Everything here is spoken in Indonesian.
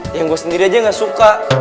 yang gue sendiri aja gak suka